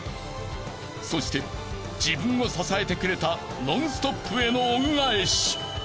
［そして自分を支えてくれた『ノンストップ！』への恩返し］